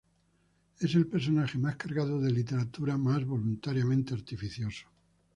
Es el personaje más cargado de literatura, más voluntariamente artificioso.